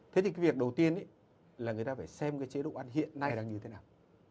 thế thì cái việc đầu tiên là người ta phải xem cái chế độ ăn hiện nay là như thế nào